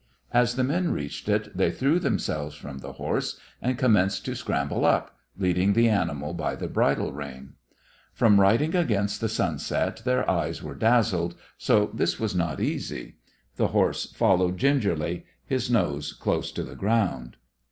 As the men reached it, they threw themselves from the horse and commenced to scramble up, leading the animal by the bridle rein. From riding against the sunset their eyes were dazzled, so this was not easy. The horse followed gingerly, his nose close to the ground.